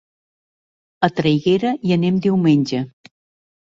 A Traiguera hi anem diumenge.